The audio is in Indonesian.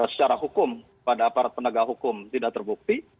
secara hukum pada aparat penegak hukum tidak terbukti